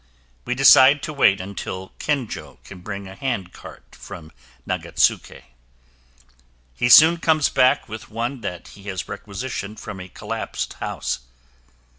We decide to wait until Kinjo can bring a hand cart from Nagatsuke. He soon comes back with one that he has requisitioned from a collapsed house.